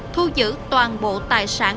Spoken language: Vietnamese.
thu giữ toàn bộ tài sản